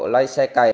lấy xe cày